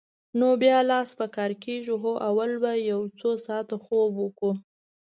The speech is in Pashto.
نو بیا لاس په کار کېږو؟ هو، اول به یو څو ساعته خوب وکړو.